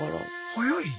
早い。